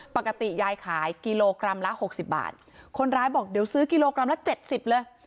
ปกติยายขายกิโลกรัมละหกสิบบาทคนร้ายบอกเดี๋ยวซื้อกิโลกรัมละเจ็ดสิบเลย